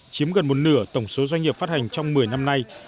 chiếm gần một nửa tổng số doanh nghiệp phát hành trong một mươi năm nay